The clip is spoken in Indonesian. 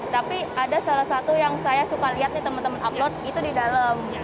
setiap sudut menarik tapi ada salah satu yang saya suka lihat teman teman upload itu di dalam